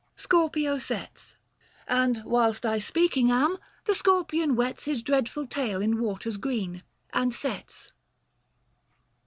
SCORPIO SETS. And whilst I speaking am, the Scorpion wets His dreadful tail in waters green, and sets.